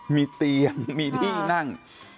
มีเตียงมีที่นั่ง